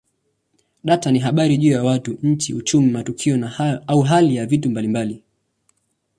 Data ni habari juu ya watu, nchi, uchumi, matukio au hali ya vitu mbalimbali.